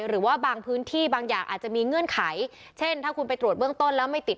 หรือว่าบางพื้นที่บางอย่างอาจจะมีเงื่อนไขเช่นถ้าคุณไปตรวจเบื้องต้นแล้วไม่ติด